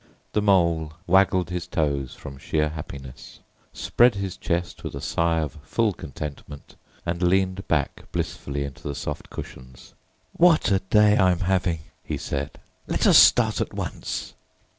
The Mole waggled his toes from sheer happiness, spread his chest with a sigh of full contentment, and leaned back blissfully into the soft cushions. "What a day I'm having!" he said. "Let us start at once!"